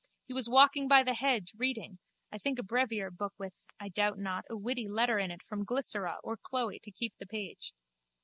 He was walking by the hedge, reading, I think a brevier book with, I doubt not, a witty letter in it from Glycera or Chloe to keep the page.